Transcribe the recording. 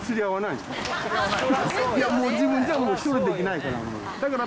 いやもう、自分じゃ処理できないから。